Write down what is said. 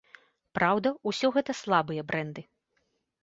Праўда, усё гэта слабыя брэнды.